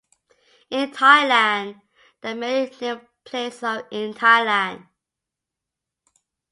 In Thailand, There are many name of places in Thailand.